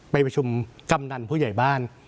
ไปประชุมกำนันผู้ใหญ่บ้าน